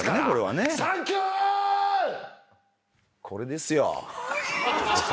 「これですよ」